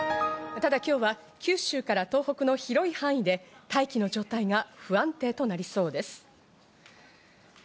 ただ今日は九州から東北の広い範囲で大気の状態が不安定となりそうです。